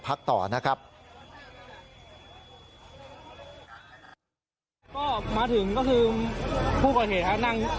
เขาอยู่กับใครบ้างในบ้าน